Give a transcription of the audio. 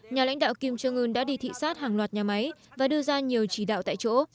nhà lãnh đạo kim jong un đã đi thị xát hàng loạt nhà máy và đưa ra nhiều chỉ đạo tại chỗ